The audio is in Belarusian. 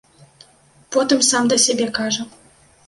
Потым сам да сябе кажа.